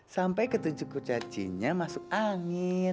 sampai ketujuh kurcacinya masuk angin